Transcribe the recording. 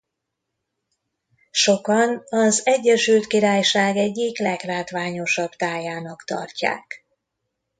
Sokan az Egyesült Királyság egyik leglátványosabb tájának tartják.